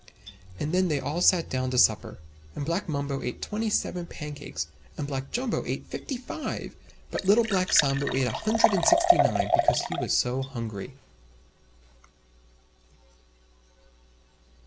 And then they all sat down to supper. And Black Mumbo ate Twenty seven pancakes, and Black Jumbo ate Fifty five, but Little Black Sambo ate a Hundred and Sixty nine, because he was so hungry.